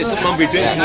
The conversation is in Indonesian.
ya membedek semua